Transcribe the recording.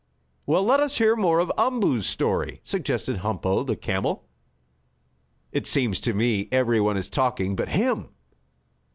"Well, let us hear more of Umboo's story," suggested Humpo, the camel. "It seems to me everyone is talking but him."